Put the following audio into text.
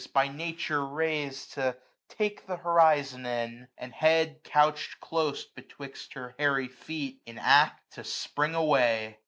By Nature rais'd to take th' horizon in ; And head couch M close betwixt her hairy feet. In act to spring away.